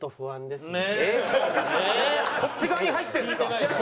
こっち側に入ってるんですか？